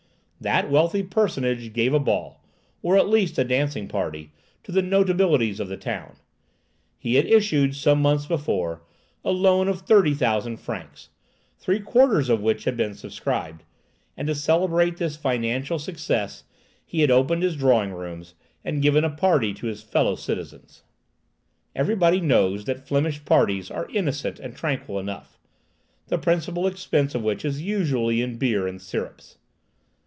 That wealthy personage gave a ball, or at least a dancing party, to the notabilities of the town. He had issued, some months before, a loan of thirty thousand francs, three quarters of which had been subscribed; and to celebrate this financial success, he had opened his drawing rooms, and given a party to his fellow citizens. Everybody knows that Flemish parties are innocent and tranquil enough, the principal expense of which is usually in beer and syrups.